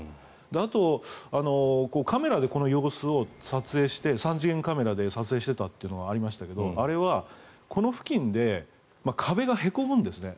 あと、カメラでこの様子を撮影して３次元カメラで撮影してたというのがありましたがあれは、この付近で壁がへこむんですね。